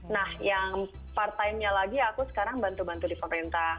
nah yang part timenya lagi aku sekarang bantu bantu di pemerintah